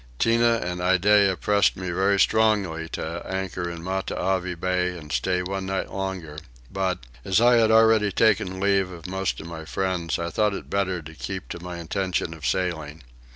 Tinah and Iddeah pressed me very strongly to anchor in Matavai bay and stay one night longer but, as I had already taken leave of most of my friends, I thought it better to keep to my intention of sailing.